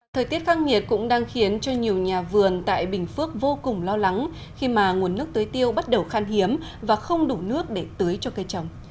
thời tiết khăng nhiệt cũng đang khiến cho nhiều nhà vườn tại bình phước vô cùng lo lắng khi mà nguồn nước tưới tiêu bắt đầu khan hiếm và không đủ nước để tưới cho cây trồng